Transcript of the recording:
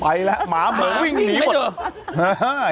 ไปแล้วหมาเหมืองวิ่งหนีหมด